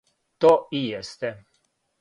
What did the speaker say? То и јесте.